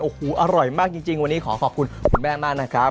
โอ้โหอร่อยมากจริงวันนี้ขอขอบคุณคุณแม่มากนะครับ